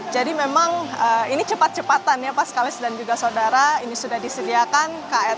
jadi memang ini cepat cepatan ya pak skalis dan juga saudara ini sudah disediakan